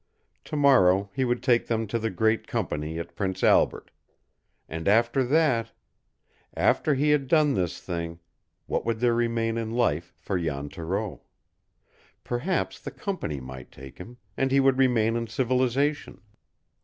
To morrow he would take them to the great company at Prince Albert. And after that after he had done this thing, what would there remain in life for Jan Thoreau? Perhaps the company might take him, and he would remain in civilization.